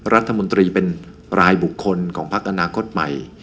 รัฐมนตรีเป็นรายบุคคลของพักอนาคตใหม่